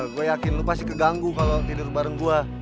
gua yakin lu pasti keganggu kalo tidur bareng gua